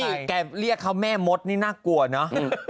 นี่แกเรียกเขาแม่มดนี่น่ากลัวเนอะ